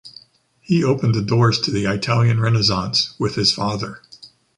He opened the doors to the Italian Renaissance with his father.